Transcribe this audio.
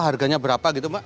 harganya berapa gitu mbak